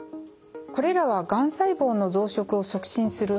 これらはがん細胞の増殖を促進するＨＥＲ